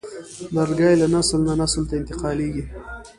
لرګی له نسل نه نسل ته انتقالېږي.